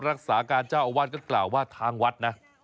รักษาการเจ้าอาวาสก็กล่าวว่าทางวัดนะ